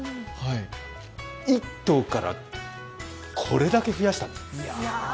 １頭からこれだけ増やした。